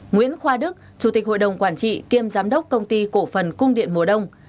nguyễn khoa đức chủ tịch hội đồng quản trị kiêm giám đốc công ty cổ phần cung điện mùa đông